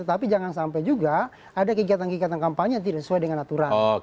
tapi jangan sampai juga ada kegiatan kegiatan kampanye yang tidak sesuai dengan aturan